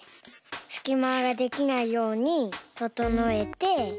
すきまができないようにととのえて。